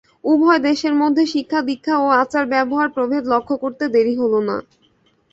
উভয় দেশের মধ্যে শিক্ষা দীক্ষা ও আচার-ব্যবহার প্রভেদ লক্ষ্য করতে দেরী হল না।